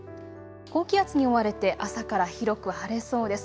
高気圧に覆われれて朝から広く晴れそうです。